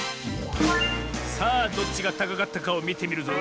さあどっちがたかかったかをみてみるぞ。